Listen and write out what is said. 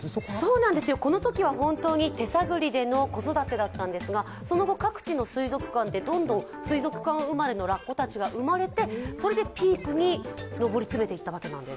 そうなんですよ、このときは手探りでの子育てだったんですがその後、各地の水族館でどんどん水族館生まれのラッコたちが生まれて、それでピークに上り詰めていったわけなんです。